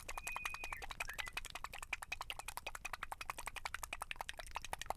abakobwa babiri baryamye hamwe ku buriri